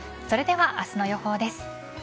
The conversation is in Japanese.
それでは明日の予報です。